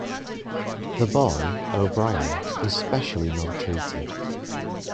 The boy, O'Brien, was specially maltreated.